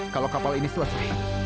kalau kapal ini selesai